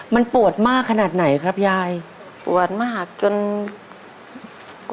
มันปวดมากขนาดไหนครับยายปวดมากจนกว่าจะตายหรือไหน